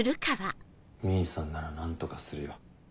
兄さんなら何とかするよ。